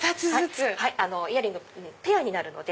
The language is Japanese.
イヤリングペアになるので。